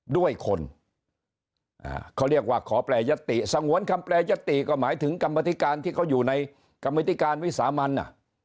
ด้วยคนเขาเรียกว่าขอแปรยติสงวนคำแปรยติก็หมายถึงกรรมธิการที่เขาอยู่ในกรรมธิการวิสามัน